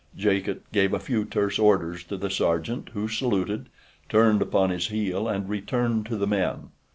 Jacot gave a few terse orders to the sergeant who saluted, turned upon his heel and returned to the men.